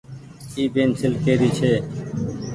اي پينسيل ڪي ري ڇي۔